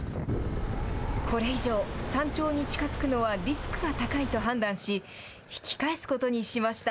これ以上、山頂に近づくのはリスクが高いと判断し、引き返すことにしました。